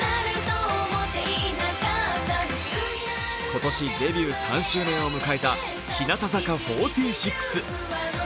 今年デビュー３周年を迎えた日向坂４６。